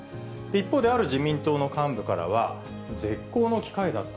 一方で、ある自民党の幹部からは、絶好の機会だった。